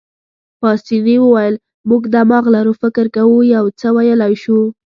پاسیني وویل: موږ دماغ لرو، فکر کوو، یو څه ویلای شو.